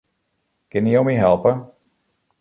Kinne jo my helpe?